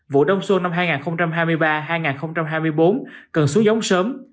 vụ đông xuân năm hai nghìn hai mươi ba hai nghìn hai mươi bốn cần xuống giống sớm